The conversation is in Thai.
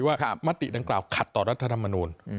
มติดังกล่าวขัดต่อรัฐธรรมนูล